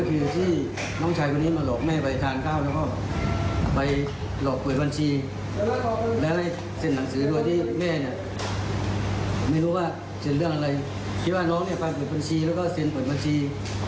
คิดว่าน้องเนี่ยฟังเปิดบัญชีแล้วก็เสียงเปิดบัญชี